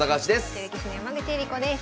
女流棋士の山口恵梨子です。